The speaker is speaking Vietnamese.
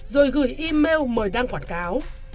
rồi gửi email mời đăng quảng cáo